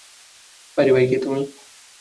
ভাইরে ভাই কে তুমি?